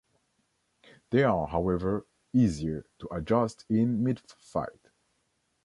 They are however, easier to adjust in mid-fight.